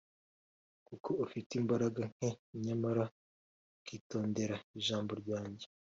kuko ufite imbaraga nke nyamara ukitondera ijambo ryanjye,